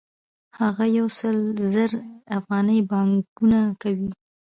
هغه یو سل زره افغانۍ پانګونه کوي